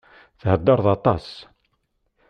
Theddṛeḍ aṭas.